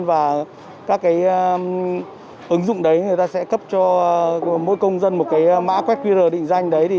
và các cái ứng dụng đấy người ta sẽ cấp cho mỗi công dân một mã quét qr định danh đấy